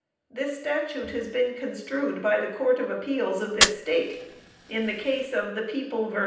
This statute has been construed by the Court of Appeals of this State in the case of _The People vs.